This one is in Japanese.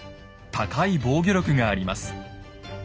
高い防御力があります。